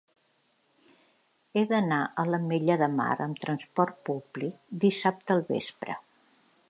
He d'anar a l'Ametlla de Mar amb trasport públic dissabte al vespre.